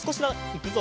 いくぞ！